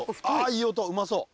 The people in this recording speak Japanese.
いい音うまそう。